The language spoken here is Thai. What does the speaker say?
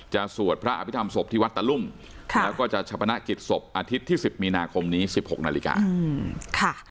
จะสวดพระอภิษฐรรมศพที่วัดตะลุ้มค่ะแล้วก็จะชับประณะกิจศพอาทิตย์ที่สิบมีนาคมนี้สิบหกนาฬิกาอืมค่ะ